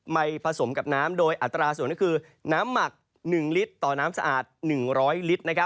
ไปผสมกับน้ำโดยอัตราส่วนก็คือน้ำหมัก๑ลิตรต่อน้ำสะอาด๑๐๐ลิตร